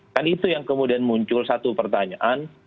kan itu yang kemudian muncul satu pertanyaan